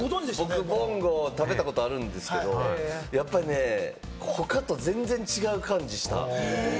僕、ぼんご食べたことあるんですけれども、他と全然違う感じした。